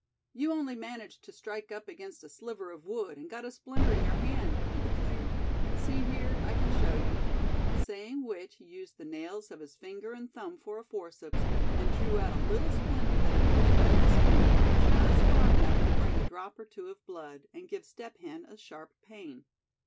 "You only managed to strike up against a sliver of wood, and got a splinter in your hand," he declared; "see here, I can show you," saying which he used the nails of his finger and thumb for a forceps, and drew out a little splinter that had pushed under the skin, just far enough to bring a drop or two of blood, and give Step Hen a sharp pain.